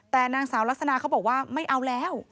แต่นางสาวลักษณะเขาบอกว่าไม่เอาแล้ว